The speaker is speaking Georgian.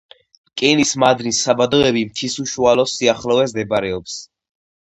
რკინის მადნის საბადოები მთის უშუალო სიახლოვეს მდებარეობს.